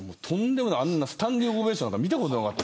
スタンディングオベーションなんか見たことなかった。